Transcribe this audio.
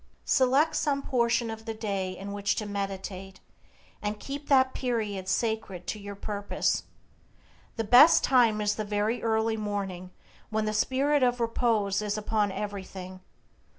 Select some portion of the day in which to meditate, and keep that period sacred to your purpose. The best time is the very early morning when the spirit of repose is upon everything.